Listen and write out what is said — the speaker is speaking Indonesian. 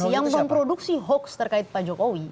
yang memproduksi hoax terkait pak jokowi